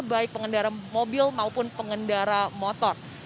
baik pengendara mobil maupun pengendara motor